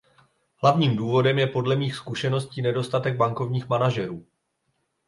Hlavním důvodem je podle mých zkušeností nedostatek bankovních manažerů.